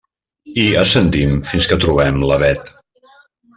Hi ascendim fins que trobem l'avet.